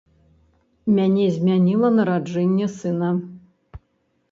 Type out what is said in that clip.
Мяне змяніла нараджэнне сына.